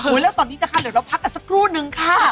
แล้วตอนนี้นะคะเดี๋ยวเราพักกันสักครู่นึงค่ะ